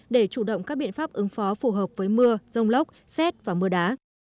để chủ động các biện pháp ứng phó phù hợp với mưa rông lốc xét và mưa đá